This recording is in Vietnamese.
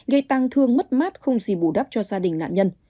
gây tăng thương mất mát không gì bù đắp cho gia đình nạn nhân